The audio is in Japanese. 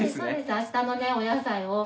明日のねお野菜を。